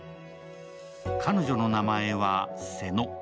彼女の名前は瀬野。